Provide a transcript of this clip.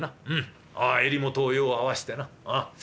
襟元をよう合わしてな。